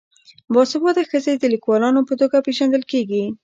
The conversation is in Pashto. باسواده ښځې د لیکوالانو په توګه پیژندل کیږي.